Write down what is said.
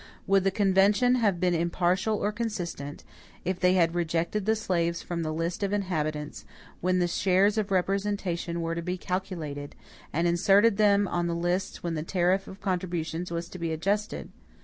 Would the convention have been impartial or consistent, if they had rejected the slaves from the list of inhabitants, when the shares of representation were to be calculated, and inserted them on the lists when the tariff of contributions was to be adjusted?